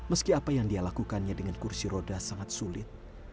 meski apa yang dia lakukannya dengan kursi roda sangat sulit